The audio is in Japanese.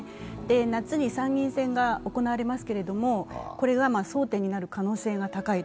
夏に参院選が行われますけれどもこれが争点になる可能性が高い。